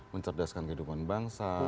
mencerdaskan kehidupan bangsa